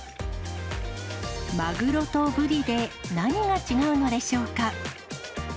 マグロとブリで何が違うのでしょうか。